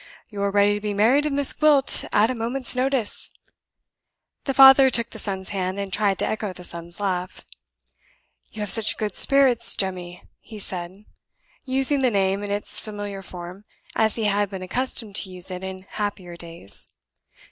"You're ready to be married to Miss Gwilt at a moment's notice!" The father took the son's hand, and tried to echo the son's laugh. "You have such good spirits, Jemmy," he said, using the name in its familiar form, as he had been accustomed to use it in happier days.